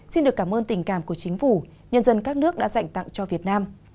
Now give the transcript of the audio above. xin được cảm ơn tình cảm của chính phủ nhân dân các nước đã dành tặng cho việt nam